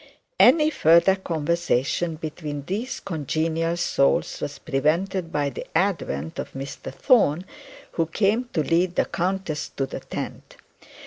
Any further conversation between these congenial souls was prevented by the advent of Mr Thorne, who came to lead the countess to the tent.